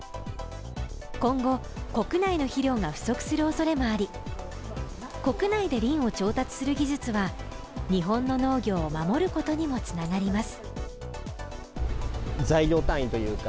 今後、国内の肥料が不足するおそれもあり、国内でリンを調達する技術は日本の農業を守ることにもつながります。